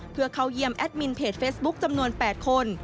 เพื่อเข้าเยี่ยมแอดมินเพจเฟซบุ๊คจำนวน๘คน